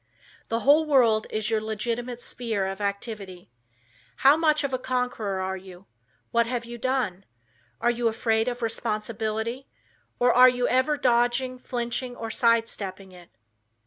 The whole world is your legitimate sphere of activity. How much of a conqueror are you? What have you done? Are you afraid of responsibility, or are you ever dodging, flinching, or side stepping it.